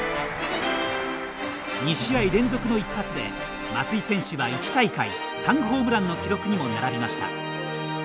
２試合連続の１発で、松井選手は１大会３ホームランの記録にも並びました。